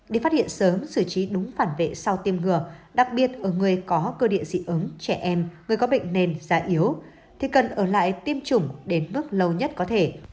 để phát hiện sớm xử trí đúng phản vệ sau tiêm ngừa đặc biệt ở người có cơ địa dị ứng trẻ em người có bệnh nền da yếu thì cần ở lại tiêm chủng đến bước lâu nhất có thể